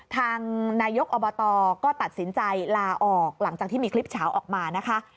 ทางนายกอบตก็ตัดสินใจลาออกหลังจากที่มีคลิปเฉาออกมานะคะ